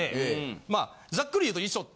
まあざっくり言うと。